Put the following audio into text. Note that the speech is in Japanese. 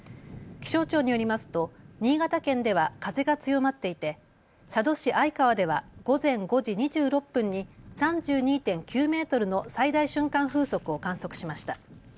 気象庁によりますと新潟県では風が強まっていて佐渡市相川では午前５時２６分に３２．９メートルの最大瞬間風速を観測しました。